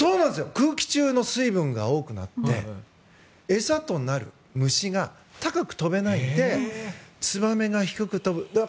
空気中の成分が多くなって餌となる虫が高く飛べないのでツバメが低く飛ぶ。